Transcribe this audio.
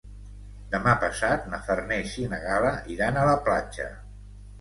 Demà passat na Farners i na Gal·la iran a la platja.